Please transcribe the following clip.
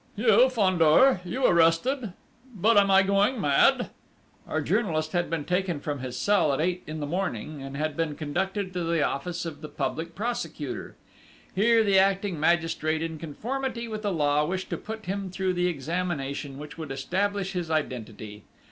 "You, Fandor! You arrested!... But am I going mad?" Our journalist had been taken from his cell at eight in the morning, and had been conducted to the office of the Public Prosecutor. Here, the acting magistrate, in conformity with the law, wished to put him through the examination which would establish his identity.